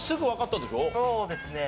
そうですね。